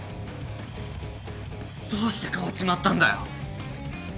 どうして変わっちまったんだよ。